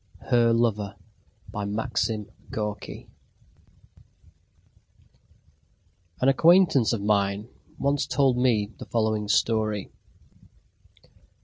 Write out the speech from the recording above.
HER LOVER BY MAXIM GORKY An acquaintance of mine once told me the following story.